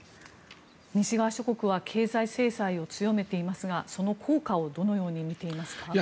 西側諸国は経済制裁を強めていますがその効果をどのように見ていますか？